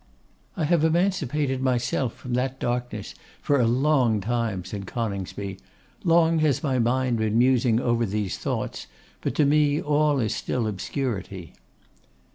'I have emancipated myself from that darkness for a long time,' said Coningsby. 'Long has my mind been musing over these thoughts, but to me all is still obscurity.